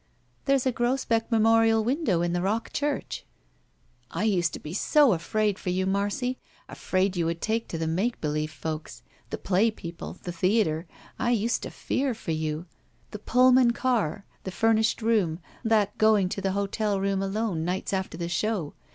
"There's a Grosbeck memorial window in the Rock Church." "I used to be so afraid for you, Marcy. Afraid you would take to the make believe folks. The play people. The theater. I used to fear for you! The Pullman car. The furnished room. That going to the hotel room, alone, nights after the show.